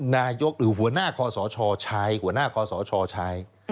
นายกหรือหัวหน้าคศชใช้